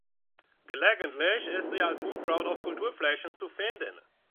Gelegentlich ist sie als Unkraut auf Kulturflächen zu finden.